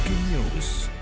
di jawa barat